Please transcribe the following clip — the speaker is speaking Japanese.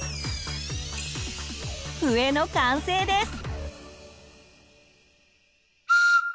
笛の完成です。